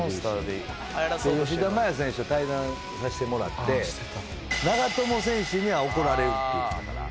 で吉田麻也選手と対談させてもらって長友選手には怒られるって言ってたから。